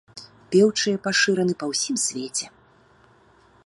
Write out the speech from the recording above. Пеўчыя пашыраны па ўсім свеце.